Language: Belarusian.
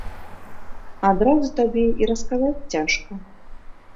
Адразу табе і расказаць цяжка.